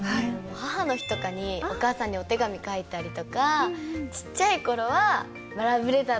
母の日とかにお母さんにお手紙書いたりとかちっちゃい頃はラブレターとか書いたり。